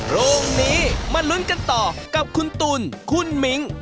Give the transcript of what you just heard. โรงนี้มาลุ้นกันต่อกับคุณตุ๋นคุณมิ้ง